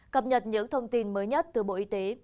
cập nhật những thông tin mới nhất từ bộ y tế